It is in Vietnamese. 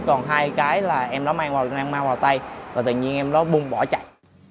còn hai cái là em đó mang vào tay và tự nhiên em đó bung bỏ chạy